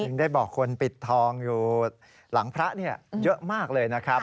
ได้บอกคนปิดทองอยู่หลังพระเยอะมากเลยนะครับ